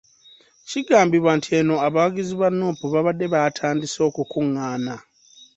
Kigambibwa nti eno abawagizi ba Nuupu babadde baatandise okukung'ana.